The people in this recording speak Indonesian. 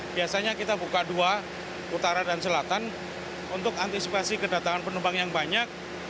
biasanya kita buka dua utara dan selatan untuk antisipasi kedatangan penumpang yang banyak